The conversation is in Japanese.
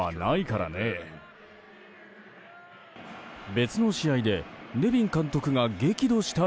別の試合でネビン監督が激怒した